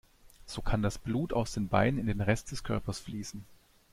So kann das Blut aus den Beinen in den Rest des Körpers fließen.